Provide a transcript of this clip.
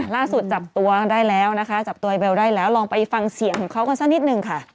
ล่าสุดจับตัวได้แล้วนะคะจับตัวไอเบลได้แล้วลองไปฟังเสียงของเขากันสักนิดนึงค่ะ